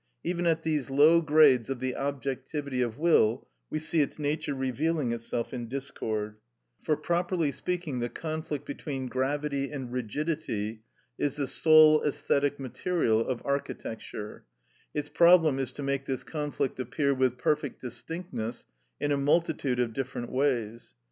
Even at these low grades of the objectivity of will we see its nature revealing itself in discord; for properly speaking the conflict between gravity and rigidity is the sole æsthetic material of architecture; its problem is to make this conflict appear with perfect distinctness in a multitude of different ways.